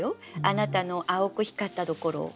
あなたの青く光ったところを。